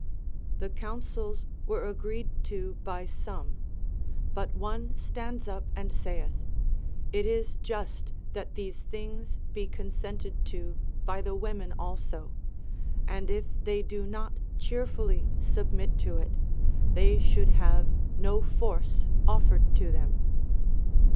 The counsels were agreed to by some, but one stands up and saith : It is just that these things be consented to by the women also, and 344: CONCERNING THE VIRTUES OF WOMEN. if they do not cheerfully submit to it, they should have no force offered to them.